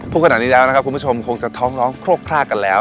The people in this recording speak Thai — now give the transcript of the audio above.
พูดขนาดนี้แล้วนะครับคุณผู้ชมคงจะท้องร้องโครกคลากกันแล้ว